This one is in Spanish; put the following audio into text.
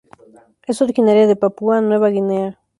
Es originaria de Papúa Nueva Guinea.